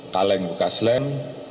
kaleng bukas lem